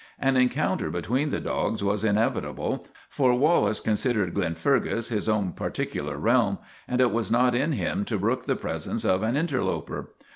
An encounter between the dogs was inevitable, for Wallace considered Glenfergus his own particular realm and it was not in him to brook the presence of an interloper.